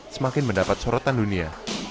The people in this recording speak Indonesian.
semakin mendapat sorotan dunia